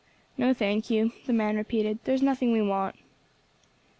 "No, thank you," the man repeated; "there's nothing we want."